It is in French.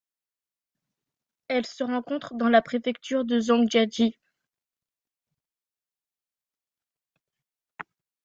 Elle se rencontre dans la préfecture de Zhangjiajie.